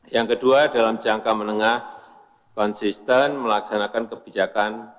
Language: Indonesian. yang kedua dalam jangka menengah konsisten melaksanakan kebijakan